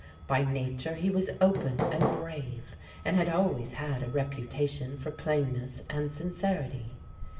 By nature he was open and brave, and had always had a reputation for plainness and sincerity.